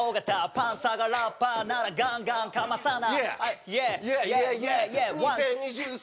「パンサーがラッパーならガンガンかまさな」